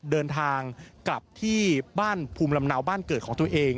เดินทางกลับที่บ้านภูมิลำเนาบ้านเกิดของตัวเอง